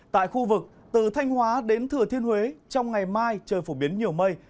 tại khu vực từ thanh hóa đến thừa thiên huế trong ngày mai trời phổ biến nhiều mây